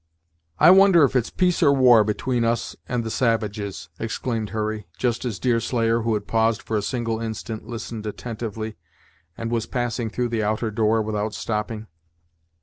"I wonder if it's peace or war, between us and the savages!" exclaimed Hurry, just as Deerslayer, who had paused for a single instant, listened attentively, and was passing through the outer door without stopping.